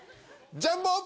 ジャンボ！